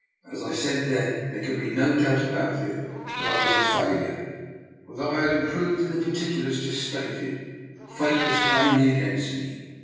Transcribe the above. As I said then, there could be no doubt about it that I was a failure. For though I had improved in the particulars just stated, Fate was plainly against me.